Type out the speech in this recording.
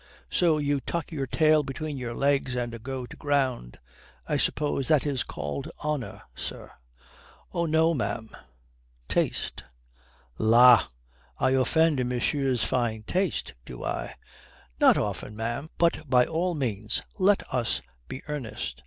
So you tuck your tail between your legs and go to ground. I suppose that is called honour, sir." "Oh no, ma'am. Taste." "La, I offend monsieur's fine taste, do I?" "Not often, ma'am. But by all means let us be earnest.